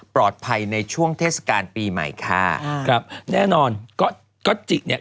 ในช่วงเทศกาลปีใหม่ค่ะครับแน่นอนก็ก็จิเนี่ย